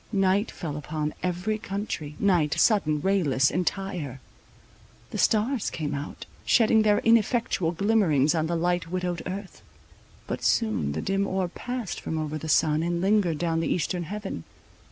Night fell upon every country, night, sudden, rayless, entire. The stars came out, shedding their ineffectual glimmerings on the light widowed earth. But soon the dim orb passed from over the sun, and lingered down the eastern heaven.